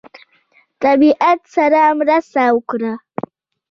طبیعت سره مرسته وکړه.